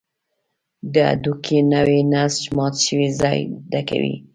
د هډوکي نوی نسج مات شوی ځای ډکوي.